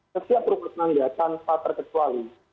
ketua perumahan tanpa terkesuali